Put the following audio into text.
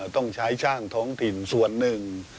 ต้องใช้ช่างท้องถิ่นส่วนหนึ่ง